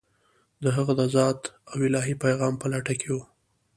هغه د ذات او الهي پیغام په لټه کې و.